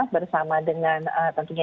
bersama dengan tentunya